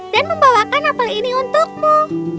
dan membawakan apel ini untukmu